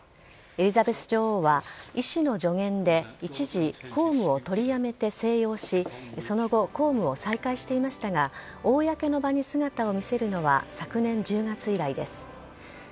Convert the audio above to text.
エリザベス女王は、医師の助言で一時、公務を取りやめて静養し、その後、公務を再開していましたが、公の場に姿を見せるのは昨年１０月以来です。